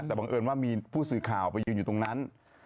แต่บังเอิญว่ามีผู้สื่อข่าวไปยืนอยู่ตรงนั้น